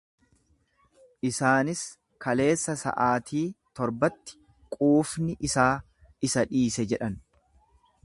Isaanis, Kaleessa sa'aatii torbatti quufni isaa isa dhiise jedhan.